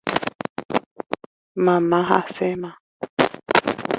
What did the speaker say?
Mama hasẽma.